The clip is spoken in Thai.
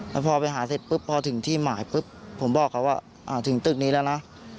แล้วพอไปหาเสร็จปุ๊บพอถึงที่หมายปุ๊บผมบอกเขาว่าถึงตึกนี้แล้วนะ